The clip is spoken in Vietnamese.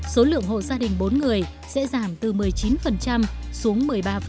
số lượng hộ gia đình bốn người sẽ giảm từ một mươi chín xuống một mươi ba